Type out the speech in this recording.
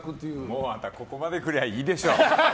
もうあんたここまでくりゃいいでしょう。